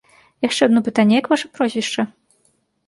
Яшчэ адно пытанне, як ваша прозвішча?